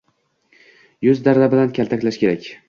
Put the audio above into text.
Yuz darra bilan kaltaklash kerak.